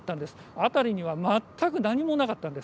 辺りには全く何もなかったんです。